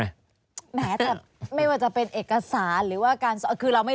แหมไม่ว่าจะเป็นเอกสาร